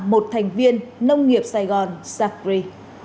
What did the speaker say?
một thành viên nông nghiệp sài gòn sacri